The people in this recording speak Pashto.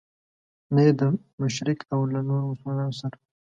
نه یې د مشرق له نورو مسلمانانو سره.